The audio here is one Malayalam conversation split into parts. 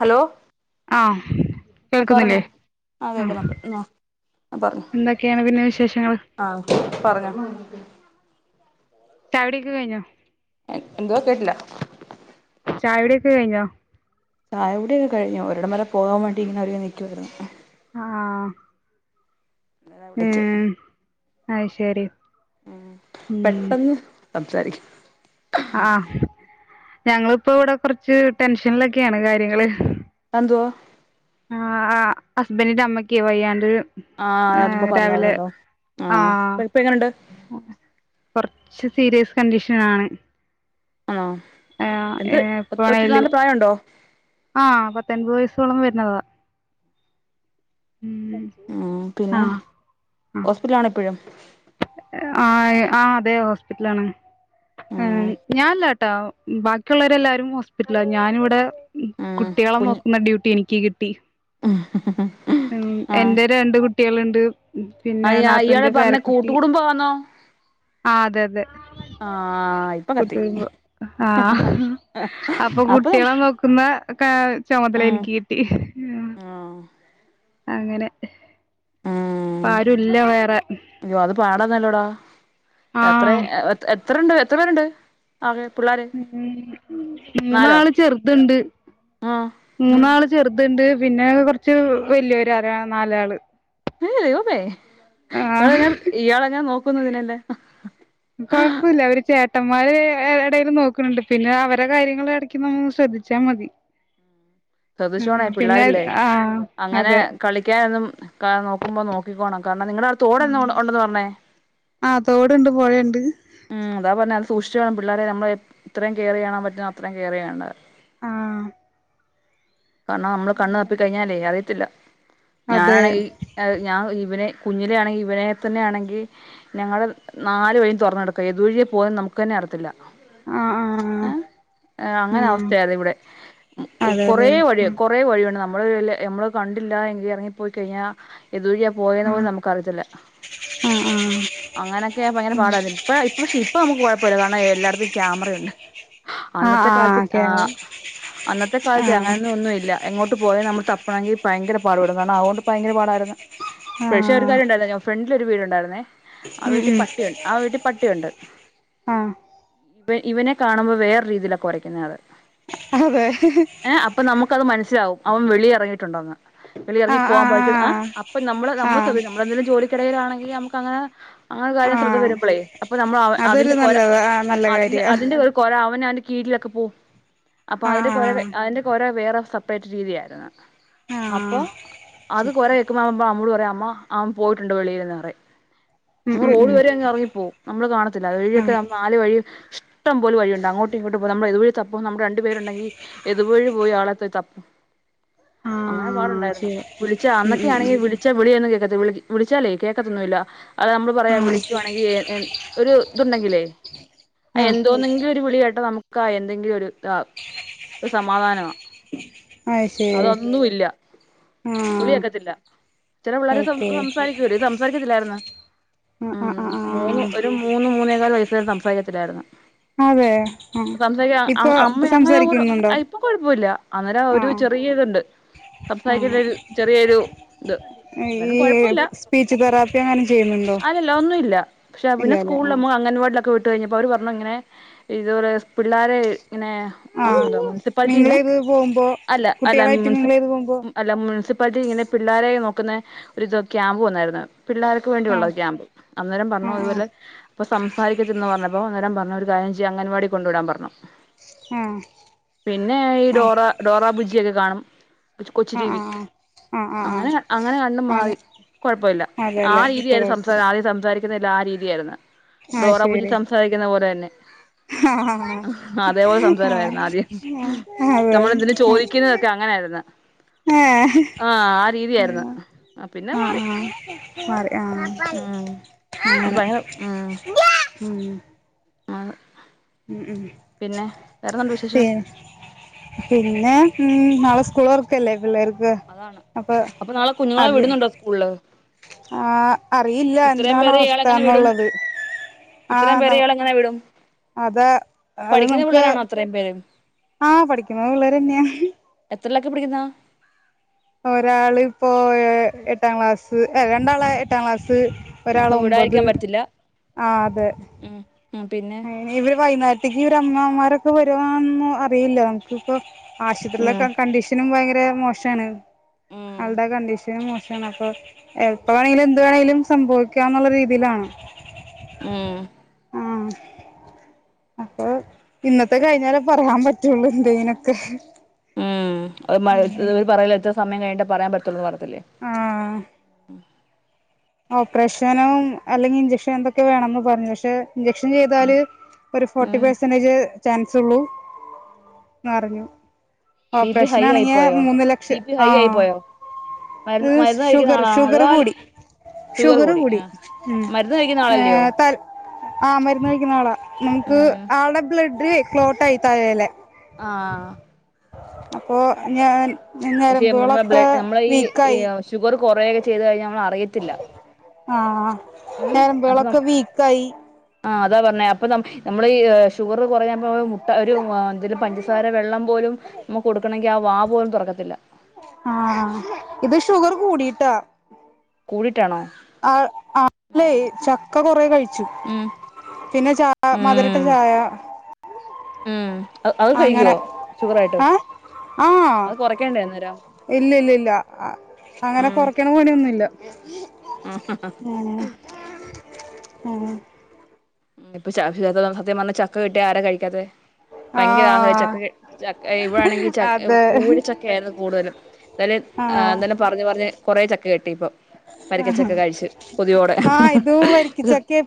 ഹലോ ആ ആ പറഞ്ഞോ കേൾക്കുന്നില്ലേ ആ ഉം കേക്കുന്നുണ്ട് ആ പറഞ്ഞോ എന്തൊക്കെയാണ് പിന്നെ വിശേഷങ്ങള് ആ പറഞ്ഞ [unintelligible] ചായുടിക്കെ കഴ്ഞ്ഞോ ഏ എന്തുവാ കേട്ടില്ല ചായൊടിക്കെ കഴിഞ്ഞോ ചായ കുടിയൊക്കെ കഴിഞ്ഞു ഒരടം വരെ പോകാൻ വേണ്ടിങ്ങനെ ഒരിങ്ങി നിക്കുവായിരുന്നു ഉം ആഹ് അതാ വിളിച്ചെ ഉം അത്ശെരി ഉം പെട്ടെന്ന് സംസാരിക്കാം ആ ഞങ്ങളിപ്പോ ഇവിടെ കൊറച്ച് ടെൻഷനിലൊക്കെയാണ് കാര്യങ്ങള് അതെന്തുവാ ആ ആ ഹസ്ബന്റിന്റെ അമ്മക്കേ വയ്യാണ്ടൊരു ആ അതുമ്പെ പറഞ്ഞാരുന്നല്ലോ ആ ഇപ്പ ഇപ്പൊ എങ്ങനൊണ്ട് ഉം കൊർച്ച് സീരിയസ് കണ്ടീഷനാണ് ആണോ ഏഹ് എന്ത് ഒത്തി ഒത്തിരി നല്ല പ്രായവുണ്ടോ ആ പത്തെൺപത് വയസ്സോളം വരുന്നതാ ഉം ഉം പിന്നെ ആഹ് ഹോസ്പിറ്റലാണ ഇപ്പഴും ആയ് ആ അതെ ഹോസ്പിറ്റലാണ് ഉം ഞാനല്ല ട്ടാ ബാക്കിയുള്ളവരെല്ലാരും ഹോസ്പിറ്റല ഞാനിവിടെ ഉം കുട്ടികളെ കുഞ്ഞ് നോക്കുന്ന ഡ്യൂട്ടി എനിക്ക് കിട്ടി ആ ഉം എന്റെ രണ്ട് കുട്ടികളുണ്ട് പിന്നെ ആ ഇയാള് നാത്തൂന്റെ പറഞ്ഞ പേരക്കുട്ടി കൂട്ടുകുടുംബാന്നോ ആ അതെ അതെ ആ ഇപ്പൊ കത്തി കുട്ടി പൊ ആ അപ്പൊ അപ്പം കുട്ടികളെ നോക്കുന്ന ഒക്ക ചുമതല ഉം എനിക്ക് കിട്ടി ആഹ് അങ്ങനെ അപ്പ ഉം ആരുല്ല വേറെ അയ്യോ അത് പാടാന്നല്ലോടാ ആ എത്ര എത്രണ്ട് എത്ര പേരുണ്ട് അതെ പിള്ളാരെ ഉം മൂന്നാള് ചെർത്ണ്ട് ആഹ് മൂന്നാള് ചെർത്ണ്ട് പിന്നെ കൊർച്ച് വല്യോരാറിയ നാലാള് ദെയ് വമേ ആഹ് ഇയാളെങ്ങാൻ ഇയാളെങ്ങനെ നോക്കുന്നതിനെയെല്ലാം കുഴപ്പമില്ല അവര് ചേട്ടന്മാര് എടയിൽ നോക്ക്ണ് ണ്ട് പിന്നെ അവരെ കാര്യങ്ങൾ എടക്ക് നമ്മ ശ്രദ്ധിച്ച ച്ചാമതി ശ്രദ്ധിച്ചോണേ പിള്ളേരല്ലേ ആഹ് അങ്ങനെ അതെ കളിക്കാനൊന്നും നോക്കുമ്പോ നോക്കിക്കോണം കാരണം നിങ്ങളട് തോടെന്താ ആഹ് ഉണ്ടന്ന് പറഞ്ഞേ ആഹ് തോടുണ്ട് പൊഴണ്ട് ഉം അതാ പറഞ്ഞ അത് സൂക്ഷിച്ചോണം പിള്ളേരെ നമ്മള് എത്രയും കെയർ ചെയ്യാൻ പറ്റുന്ന അത്രയും കെയർ ചെയ്യണ്ട ആഹ് കാരണം നമ്മള് കണ്ണ് അങ്ങനെ തപ്പി കഴിഞ്ഞാലേ അറിയത്തില്ല അതെ ഞാനാണെങ്കി ഞാൻ ഇവനെ കുഞ്ഞിലെ ആണെങ്കി ഇവനെ തന്നെ ആണെങ്കി ഞങ്ങളെ നാല് വഴിം തുറന്നെടുക്ക ഏതു വഴിയേ പോകുംന്ന് നമുക്ക് തന്നെ അറത്തില്ല ആഹ് ആ ആഹ് അങ്ങനെ ആഹ് അവസ്ഥയത് ഇവിടെ കൊറെ അതെല്ലേ ഉം കുറെേ വഴിയുണ്ട് നമ്മള് നമ്മള് കണ്ടില്ല എങ്കിൽ ഇറങ്ങിപ്പോയി കഴിഞ്ഞാ എതു വഴിയാ പോയന്ന് പോലും നമുക്ക് അറിയിത്തില്ല ഉം ഉം അങ്ങനൊക്കെ ഭയങ്കര ആഹ് പാടായിരുന്നു ഇപ്പ ഇപ്പ പക്ഷെ ഇപ്പൊ നമുക്ക് കുഴപ്പമില്ല കാര എല്ലായിടത്തും ക്യാമറയുണ്ട് ആഹ് അന്നത്തെ കാലത്ത് ആഹ് ആ ക്യാമറ അന്നത്തെ കാലത്ത് ആഹ് അങ്ങനെ ഒന്നും ഇല്ല എങ്ങോട്ട് പോയാ നമ്മൾ തപ്പണമെങ്കിൽ ഭയങ്കര പാടപടും കാരണം അതൊണ്ട് ഭയങ്കര പാടായിരുന്നു പക്ഷേ ഒരു ആഹ് കാര്യമുണ്ടായിരുന്നു ഞൻ ഫ്രണ്ടില് ഒരു വീടുണ്ടായിരുന്നേ ആ ഉം വീട്ടിൽ ഉം പട്ടിയുണ്ട് ആ വീട്ടിൽ പട്ടിയുണ്ട് ആഹ് ഇവനെ കാണുമ്പോൾ വേറെ രീതിയില കുരയ്ക്കുന്നത് അത് അതെ ഏ അപ്പം നമുക്കത് മനസ്സിലാവും അവൻ വെളിയിറങ്ങയിട്ടുണ്ടന്ന് വെളി ഇറങ്ങി ആഹ് പോവാൻ പോയി അ ആഹ് അപ്പ നമ്മ നമ്മള് ആഹ് നമ്മള്ശ്രെദ്ധിക്കും നമ്മളെന്തെങ്കിലും ജോലി ക്കിടയിലാണെങ്കിൽ നമുക്ക്ങ്ങനെ അങ്ങനെ ആഹ് കാര്യം ശ്രദ്ധ ആഹ് വരുമ്പോളേ അപ്പൊ നമ്മൾ അതൊരു അതിന്റെ കൊര നല്ലതാ ആഹ് നല്ല അതിന്റെ കാര്യാ അതിന്റെ ഒരു കൊര അവന കീഴിലൊക്കെ പോവും അപ്പൊ അതിന്റെ ആഹ് അതിന്റെ കൊര വേറെഒരു സെപ്പറേറ്റ് രീതിയായിരുന്നു ആഹ് ആഹ് അപ്പൊ ശരി അതിന്റെ കൊര കേക്കുമ്പ അമ്മോള പറയാ അമ്മ അവൻ പോയിട്ടുണ്ട് വെളിയിൽന്ന് പററ ഉം അങ്ങ് ഉം റോഡ് വരെ അങ്ങ ഇറങ്ങിപ്പോവും നമ്മള് കാണത്തില്ല അത് ഉം വഴിയൊക്കെ നാല് വഴി ഇഷ്ടം പോല വഴിയുണ്ട് അങ്ങോട്ട ഇങ്ങോട്ടുംപ്പോ നമ്മ രണ്ട പേരുണ്ടെിൽ ഏതുവഴി പോയി ആള തപ്പ ആഹ് അങ്ങനെ ആഹ് പാടുണ്ടായിരുന്നു ശരി വിളിച്ച ഉം അന്നൊക്കൊണെങ്ക വിളിച്ച ചച്ചാ വിളിയൊന്നും കേക്ക വി വിളിച്ചാലേ കേക്കത്തൊന്നുമല്ല അത് നമ്മൾ പറയാം ഉം വിളിക്കുയാണെങ്കിൽ ഒരു ഇണ്ടെങ്കിലേ ഉം എന്തോന്നെങ്കിൽ വിളികേട്ട നമുക്ക് ആ എന്തെങ്കിലും ഒരു സമാധാനമാ അത് ശെരി വിളികേൾക്കത്തില്ല ചില പിള്ളേര് ഓക്കെ സംസാരിക്കൂലെ ഇത് സംസാരിക്കത്തില്ലായിരുന്ന് ആഹ് ആഹ് മ്മ് ആഹ് മൂന്ന് ആഹ് ഒരു മൂന്ന് മൂന്നേകാല് വയസ് വരെ സംസാരിക്കത്തിലായിരുന്ന് അതെ ആഹ് സംസാരിക്ക അ ഇപ്പൊ അമ്മ അങ്ങനെ പോലും സംസാരിക്കുന്നുണ്ടോ ഇപ്പൊ കുഴപ്പമില്ല അന്നേരം ഒരു ആഹ് ചെറിയ ഇതുണ്ട് സംസാരികാൻ ആഹ് ഒരു ചെറിയൊരു ഇത് ആഹ് എന്നാലും ഈ കൊഴപ്പുല്ല സ്പീച്ച് തെറാപ്പി അങ്ങനെ ചെയ്യുന്നുണ്ടോ അല്ലല്ല ഒന്നുല്ല പക്ഷെ ഇല്ല പിന്ന അല്ലേ ആഹ് സ്കൂളമോ അങ്ങൻവാടിലൊക്കെ വി വിട്ട് കഴിഞ്ഞപ്പോ അവര് പറഞ്ഞു ഇങ്ങനെ ഇതുപോലെ പിള്ളേരെ ഇങ്ങനെ ആഹ് [unintelligible] പാലിട്ടീന്നു മിംഗിളെയ്ത് പോകുമ്പോ അല്ല അല്ല കുട്ടികളായിട്ട് മുനിസി മിംഗിളെയ്ത് പോകുമ്പോ അല്ല മുനിസിപ്പാലിറ്റി ഇങ്ങനെ പിള്ളേരെ നോക്കുന്ന ഒരു ഇത് ക്യാമ്പ് വന്നായിരുന്ന് പിള്ളേര് വേണ്ടിയുള്ള ആഹ് ഒരു ക്യാമ്പ് അന്നേരം പറഞ്ഞു ആഹ് ഇതുപോലെ അപ്പോ സംസാരിക്കതിലെന്ന് പറഞ്ഞപ്പോ അന്നെരം പറഞ്ഞു ഒരു കാര്യം ചെയ്യ് അംഗൻവാടി കൊണ്ടു വിടാൻ പറഞ്ഞു ആഹ് പിന്നെ ഈ ഡോറ ഡോറ ബുജിയൊക്കെ കാണും കൊച്ച് ആഹ് ആഹ് ടിവി ആഹ് ആഹ് അങ്ങനെ അങ്ങനെ കണും ആഹ് ആഹ് ആഹ് മാറി അങ്ങനെ കുഴപ്പുല്ല അതെല്ലേ ആഹ് ഇപ്പൊ രീതിയയിന്ന സംസ കൊഴപ്പല്ല ആഹ് സംസാരി ക്കുന്നയെല്ലാം ആഹ് രീതിയായിര് ന്ന് ആഹ് ഡോറ ബുജി ശരി സംസാരിക്കുന്ന പോലെ തന്നെ ആഹ് അതേപോലെ ആഹ് സംസാരയിരുന്നു ആദ്യം ആഹ് അതെ നമ്മൾ എന്തില്ലും ചോയിക്കുന്നതൊക്കെ അങ്ങനൊയിര്ന്ന് ഏഹ് ആഹ് ആഹ് രീതിയയിര്ന്ന് ആഹ് ആഹ് മറി ആഹ് ഉം ഭയങ്കര മ്മ് മ്മ് ആഹ് മ്മ് മ്മ് പി വിശേഷം പിന്നെ മ്മ് നാളെ സ്കൂൾ തോർക്കല്ലേ പിള്ളേർക്ക് അതാണ് അപ്പൊ നാളെ കുഞ്ഞുങ്ങളെ വിടുന്നുണ്ടോ സ്കൂൾല് ആഹ് അറിയില്ല എന്താണ് പേരെ ഇയാളെങ്ങനെ വിടും അവസ്ഥന്നുള്ളത് ഇത്രയും ആഹ് പേരെ നാം ഇയാളെങ്ങനെ വിടും അത അത് നമുക്ക് ഇത്രം പേരു ആഹ് പഠിക്കുന്ന പിള്ളേര് തന്നെയാ എത്രൊലെക്കെ പിടിക്കുന്ന ഒരാള് ഇപ്പോ എട്ടാം ക്ലാസ് രണ്ടാള് ഉം എട്ടാം ക്ലാസ്സ് ഒരാള് അപ്പൊ ഒമ്പത് ആഹ് അതെ മ്മ് മ്മ് പിന്നെ ഇവര് വൈന്നേരത്തേക്ക് ഇവര്ടെ അമ്മാവ്മാരൊക്കെ വരുവാന്നോ അറിയില്ല ഇപ്പോ ഉം ആശുത്രിലെക കണ്ടീഷനും ഭയങ്കര മോശണ് ഉം ആളുടെ കണ്ടീഷനും മോ പക്ഷെ അപ്പോ എപ്പ വേണങ്കിലും എന്ത് വേണങ്കിലും സംഭവിക്കംന്നുള്ള രീതിലാണ് മ്മ് അപ്പോ ഇന്നത്തെ കഴിഞ്ഞാലേ പറയാൻ പറ്റുള്ളൂ എന്തെങ്കിലെക്കെ മ്മ് [unintelligible] പറയല്ല എത്ര സമയം കഴിഞ്ഞട്ടാ പറയാൻ പറ്റൂന്ന് പറഞ്ഞട്ടില്ലേ ആഹ് ഓപ്പറേഷനും അല്ലെങ്കിൽ ഇഞ്ചെക്ഷൻ എന്തൊക്കെ വേണംന്ന് പറഞ്ഞ് പക്ഷെ ഇഞ്ചെക്ഷൻ ഉം ചെയ്താല് ഒരു ഫോർട്ടി ഉം പെർസെന്റേജ് ചാൻസ്ള്ളൂ പറഞ്ഞ് ബി പി ഹൈ ആയി ഓപ്പറേഷനാണെക്കെ പോയോ മൂന്ന് ബി ലക്ഷം പി ഹൈ ആയി ആഹ് പോയോ മരുന്ന് ഏഹ് മരുന്ന് കഴിക്കുന്ന ഷുഗറ് ആളാണോ ഷുഗർ അതോ കൂടി ഷുഗർ കൂടി മ്മ് മരുന്ന് കഴിക്കുന്ന ആളല്ലയോ ത ആഹ് മരുന്ന് കഴിക്കുന്ന ആളാ നമുക്ക് ഉം ആളുടെ ബ്ലഡിലെ ക്ലോട്ട് ആയി തലേലെ ആഹ് അപ്പോ ഞാൻ പക്ഷെ ഞരമ്പുകൾ നമ്മളെ ഒക്ക ബ്ലഡ് നമ്മളെ ഈ ഇയാ ഷുഗർ കൊറേയെക്കെ ചെയ്ത് കഴിഞ്ഞാൽ നമ്മൾ അറിയത്തില്ല ആഹ് ഉം അപ്പൊ ഞാരബ്ളൊക്കെ വീക്ക് ആയി ആഹ് അതാ പറഞ്ഞെ അപ്പൊ നമ്മ് നമ്മൾ ഈ ഷുഗർ കുറയൂബോ മുട്ട ഒരു എന്തലും പഞ്ചസ [unintelligible] വെള്ളം പോലും നമുക്ക് കൊടുക്കണെങ്കിൽ ആഹ് വാ പോലും തുറക്കത്തില്ല ആഹ് ഇത് ഷുഗർ കൂടിട്ടാ കൂടിട്ടാണോ ആഹ് അല്ലെ ചക്ക കൊറ കഴിച്ചു മ്മ് പിന്നെ ചാ മധുരിട്ട ചായ മ്മ് ആഹ് അത് കഴിക്കുവോ ഷുഗറായിട്ടും മ്മ് ഇല്ല ഇല്ല ഇല്ല അങ്ങനെ ഉം കൊറക്കന പണിയൊന്നുല്ല ആഹ് ആഹ് ഇപ്പൊ [unintelligible] സത്യം പറഞ്ഞാ ചക്ക കിട്ടാ ആരാ കഴിക്കാത്തെ ഭയങ്കര ആഹ ആഹ് ചക്കയ് ചക്ക ഇവിടൊണെങ്കിൽ ചക്ക അതെ കൂഴിച്ചക്ക ആയിരുന്നു കൂടുതലും ആഹ് എന്താണേലും പറഞ്ഞ് പറഞ്ഞ് കൊറെ ചക്ക കെട്ടി ഇപ്പൊ ആഹ് വാരിക്കച്ചക്ക കഴിച്ച് കൊതിയോടെ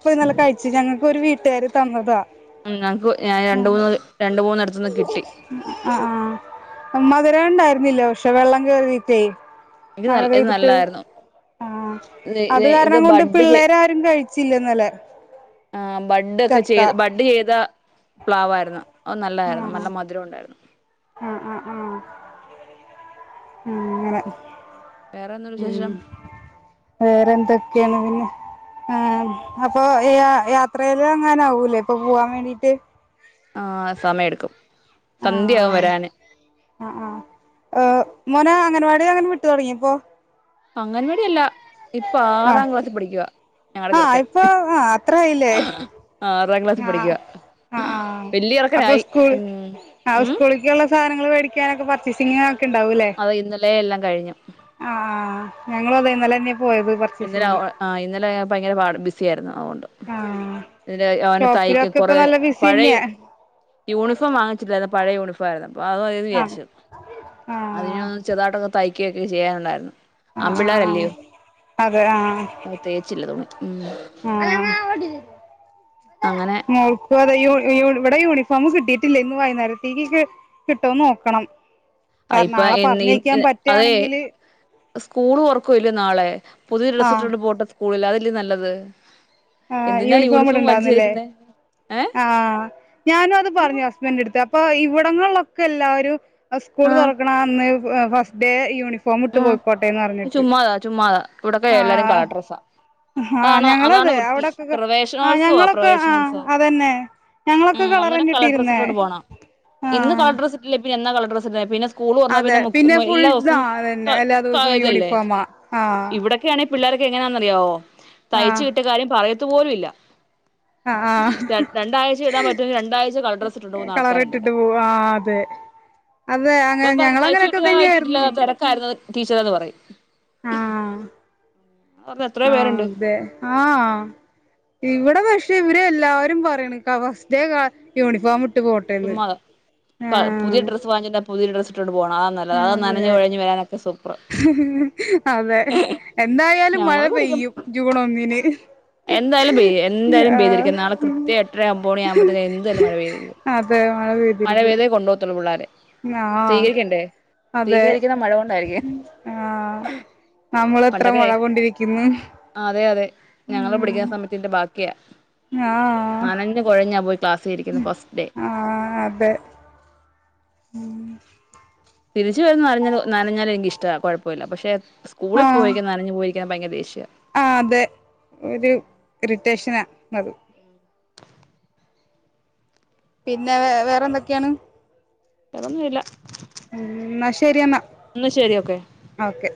ഇപ്പ ഇന്നല്ല കഴിച്ച് ഞങ്ങക്ക് ഒരു വീട്ടുകാര് തന്നതാ [unintelligible] ഞാൻ രണ്ട് മൂന്ന് രണ്ട് മൂന്ന് ഇട് അഹ് ആഹ് മധുരം ഉണ്ടായിരുന്നില്ല പക്ഷെ വെള്ളം കേറീട്ടെ എനിക്ക് നല്ല് ഇത് നല്ലായിരുന്നു ആഹ് ഇത് ഇത് അത് ഇത് കാരണം കൊണ്ട് ബഡ് ചെ പിള്ളേര് ആരും കഴിച്ചില്ല ഇന്നലെ ആഹ് ബഡ് ഒക്കെ ചക്ക ചെയ് ബഡ് ചെയ്ത പ്ലാവായിരുന്നു അപ്പ നല്ലതായിരുന്നു ആഹ് നല്ല മധുരം ഉണ്ടായിരുന്നു ആഹ് ആഹ് ആഹ് ഉം ഇങ്ങളെ വേറെന്തു വിശേഷം വേറെ എന്തൊക്കെയാണ് പിന്നെ ആഹ് അപ്പൊ യാ യാത്രേല് അങ്ങാന ആവൂലേ ഇപ്പൊ പോവാൻ വേണ്ടിട്ട് ആഹ് സമയം ഇട്ക്കും സന്ധ്യയാകും വരാന് ആഹ് ആഹ് മോനെ അംഗൻവാടി അങ്ങൻ വിട്ടു തുടങ്ങിയിപ്പോ അംഗൻവാടിയല്ല. ഇപ്പൊ ആറാം ക്ലാസി പഠിക്കുവാ ഞങ്ങടെ ആഹ് ചെറുക്കൻ ഇപ്പൊ ആഹ് അത്രായില്ലേ ആറാം ക്ലാസ്സിൽ ആഹ് പഠിക്കുവാ ആഹ് ആഹ് വല്യ അപ്പൊ ചെറുക്കനായി സ്കൂൾ ഉം ആഹ് ഉം സ്കൂളിക്കുള്ള സാനങ്ങള് മേടിക്കാനൊക്കെ പർച്ചേസിങ്ങൊക്കെ ഉണ്ടാവൂലേ ഓ ഇന്നലെ എല്ലാം കഴിഞ്ഞു ആഹ് ആഹ് ഞങ്ങളും അതെ ഇന്നലെ തന്നെ പോയത് പറ് ഇന്നല ആഹ് ഇന്നലെ ഭയങ്കര വാട ബിസി ആയിരുന്ന് അതുകൊണ്ട് ആ ഇവിടെ ഒന് തയ്ക്ക ഷോപ്പിലൊക്കെ ഇപ്പൊ കൊറെ നല്ല ബിസി പഴയ തന്നെയാ യൂണിഫോം വാങ്ങിച്ചില്ലായിരുന്നു. പഴയ യൂണിഫോം ആയിരുന്നു അപ്പ അത് മതീന്ന് വിചരിച്ചു ആ അതിന ആ ചെറുതായിട്ട് ഒന്ന് തയ്ക്കയൊക്കെ ചെയ്യാനുണ്ടായിരുന്നു. ആഹ് ആഹ് അതെ ആഹ് അത് തേച്ചില്ല തുണി ഉം ഉം അങ്ങനെ മോൾക്ക് വേറെ യൂണ് യൂണ് ഇവിടെ യൂണിഫോം കിട്ടിയിട്ടില്ല ഇന്ന് വൈന്നേരത്തേക്കിക്ക് കിട്ടോ നോക്കണം. അയ്പ്പ നാളെ എന്നി പറഞ്ഞയക്കാൻ ഇത് അതെ പറ്റുകയാണെങ്കില് സ്കൂള് തൊറക്കുവല്ലേ നാളെ പുതിയ ഡ്രസ്സ് ആഹ് ഇട്ടോണ്ട് പോട്ടെ സ്കൂളില്ല് അതെല്ലേ നല്ലത് ആഹ് എന്തിനാ യൂണിഫോം വലിച്ചു ഇടണ്ടാന്ന്ല്ലേ കീറുന്നേ ഏ ആഹ് ഞാനോത് പറഞ്ഞു ഹസ്ബന്റെട്ത്ത് അപ്പ ഇവിടന്ന്ള്ളൊക്കെ എല്ലാവരും സ്കൂൾ ആഹ് തൊറക്ക ക്ക്ണാ അന്ന് ഫസ്റ്റ് ഡേ യൂണി ആഹ് ചുമ്മാതാ ചുമ്മാതാ ഇവിടെക്കെ എല്ലാരും ആഹ് കളർ ഡ്രസ്സാ. ആഹ് ആണോ അതാണ് ഞങ്ങളതെ വൃത്തി അവിടൊക്കെ ആഹ് പ്രവേശനോത്സവാ ഞങ്ങളൊക്കെ ആഹ് പ്രവേശനോത്സവം അതന്നെ ഞങ്ങളൊക്കെ ഉം അന്നരം കളറന്നെ കളർ ഇട്ടിരുന്നേ ഡ്രസ്സിട്ടോണ്ട് പോണം. ഇന്ന് ആഹ് കളർ സ്രസ്സിട്ടില്ലേൽ പിന്നെന്നാ കളർ ഡ്രസ്സ്ടാ പിന്നെ സ്കൂൾ തുറന്നാ അതെ പിന്നെ ഫുൾ എല്ലാ ആ ദിവസവും അതെന്നെ എല്ലാ ദിവസവും യൂണിഫോമാ ആ വിടൊക്കെയാണെ പിള്ളേരൊക്കെ എ ങ്ങനാന്നറിയാവോ തയ്ച്ചു ആഹ് കിട്ടിയ കാര്യം പറയത്ത പോലുംല്ല ആഹ് ആഹ് രണ്ടാഴ്ച ഇടാൻ പറ്റൊ രണ്ടാഴ്ച കളർ ഡ്രസ് ഇട്ടോണ്ട് പോകുന്ന ആൾക്കാരുണ്ട് കളറിട്ടിട്ട് ഇവിടെ പോവും ആഹ് അതെ അതെ അങ്ങ പ്പൊ പറിം ഞങ്ങളങ്ങനൊക്കെ തയ്ച്ചുട്ടില്ലാ തയ്ച്ചുട്ടില്ല തന്നെയായിരുന്നു തെരക്കായിരുന്നു ടീച്ചറേന്ന് പറയും ആഹ് പറഞ്ഞ എത്രയോ ആഹ് പേരുണ്ട് അതെ ആഹ് ഇവിടെ പക്ഷെ ഇവര് എല്ലാവാരും പറിണ് ഫസ്റ്റ് ഡേ യൂണിഫോം ഇട്ട് പോട്ടേന്ന് ചുമ്മാതാ പുതിയ ആഹ് ഡ്രസ്സ് വാങ്ങി പുതിയ ഡ്രസ് ഇട്ടോണ്ട് പോണം. അതാ നല്ലത്അത് നനഞ് അതെ കൊഴഞ്ഞൊക്കെ വരാനൊക്കെ സൂപ്പറ് അതെ എന്തായാലും മഴ ഞങ്ങള് കുടിക്കും പെയ്യും. ജൂൺ ഒന്നിന് എന്തായാലും പെയ്യും എന്തായാലും ആഹ് പെയ്തിരിക്കും. നാളെ കൃത്യം എട്ടര ഒമ്പ മണി ആവുമ്പത്തേക്ക എന്തായാലും മഴ പെയ്തിരിക്കും. തെ മഴ പെ മഴ പെയ്തേ കൊണ്ടോത്തൊള്ളു പിള്ളാര് ആഹ് സ്വീകരിക്കണ്ടേ സ്വീകരിക്കുന്ന മഴ കൊണ്ടായിരിക്കും ആ നമ്മളത്ര പണ്ടൊക്കെ മഴ കൊണ്ടിരിക്കുന്നു അതെ അതെ ഞങ്ങളെ ഉം പിടിക്കാൻ സമയത്തിന്റെ ബാക്കിയാ ആഹ് നനഞ്ഞു കുഴഞ്ഞാ പോയി ക്ലാസിലിരിക്കുന്ന ഫസ്റ്റ് ഡേ ആഹ് അതെ ഉം തിരിച്ചു വരുന്ന് നഞ്ഞ നനഞ്ഞാൽ നിക്ക് ഇഷ്ടാ കുഴപ്പൂല്ല പക്ഷെ സ്കൂളിൽ ആഹ് പോയി നനഞ്ഞു പോയി ഭയങ്കര ദേഷ്യ ആഹ് അതെ ഒരു ഇറിറ്റേഷനാ അത് പിന്നെ വെ വേറെന്തൊക്ക്യാണ് വേറെ ഒന്നുല്ല ഉം ന്നാ ശരിയന്നാ ഓക്കെ ഓക്കെ